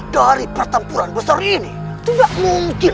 kalian bukan milik ibu nda lagi